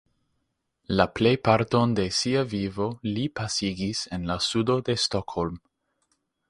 La plejparton de sia vivo li pasigis en la sudo de Stockholm.